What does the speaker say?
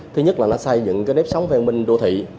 thứ nhất là nó xây dựng cái nếp sóng ven minh đô thị